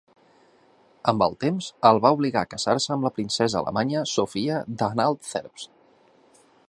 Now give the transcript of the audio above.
Amb el temps, el va obligar a casar-se amb la princesa alemanya, Sofia d'Anhalt-Zerbst.